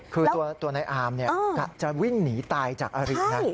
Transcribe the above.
คือตัวนายอามจะวิ่งหนีตายจากอารินะ